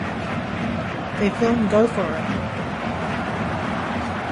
They film Go for It!